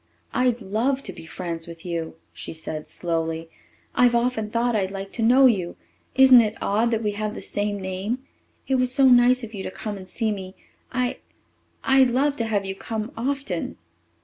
"I'd love to be friends with you," she said slowly. "I've often thought I'd like to know you. Isn't it odd that we have the same name? It was so nice of you to come and see me. I I'd love to have you come often."